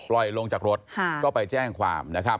ลงจากรถก็ไปแจ้งความนะครับ